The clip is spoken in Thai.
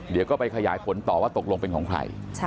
เดี๋ยวก็ไปขยายผลต่อว่าตกลงเป็นของใคร